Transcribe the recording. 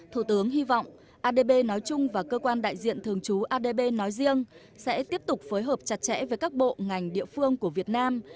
thủ tướng hy vọng adb nói chung và cơ quan đại diện thường trú adb nói riêng sẽ tiếp tục phối hợp chặt chẽ với các bộ ngành địa phương của việt nam